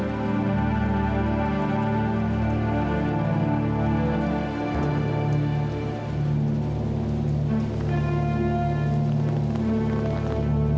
namun untuk diri saya saja